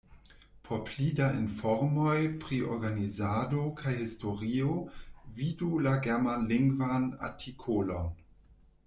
Por pli da informoj pri organizado kaj historio vidu la germanlingvan artikolon.